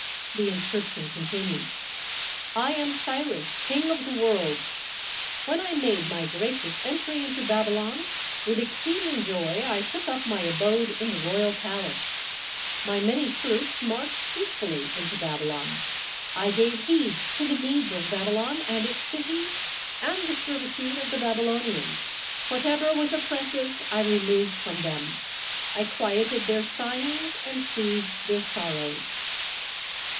The inscription continues: I am Cyrus, king of the world. ... When I made my gracious entry into Babylon, with exceeding joy I took up my abode in the royal palace. ... My many troops marched peacefully into Babylon. ... I gave heed to the needs of Babylon and its cities, and the ser vitude of the Babylonians, whatever was oppressive, I removed from them. I quieted their sighings and soothed their sorrows.